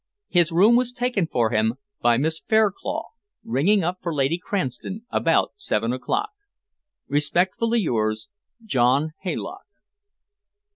His room was taken for him by Miss Fairclough, ringing up for Lady Cranston about seven o'clock. Respectfully yours, JOHN HAYLOCK.